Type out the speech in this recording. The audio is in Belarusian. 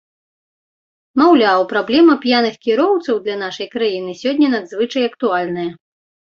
Маўляў, праблема п'яных кіроўцаў для нашай краіны сёння надзвычай актуальная.